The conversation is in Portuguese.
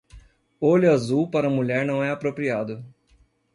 Olho azul para mulher não é apropriado.